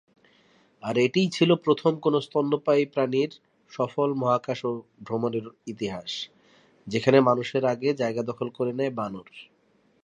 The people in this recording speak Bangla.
আর এটিই ছিলো প্রথম কোন স্তন্যপায়ী প্রাণীর সফল মহাকাশ ভ্রমনের ইতিহাস, যেখানে মানুষের আগে যায়গা দখল করে নেয় বানর।